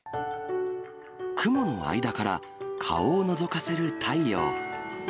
雲の間から顔をのぞかせる太陽。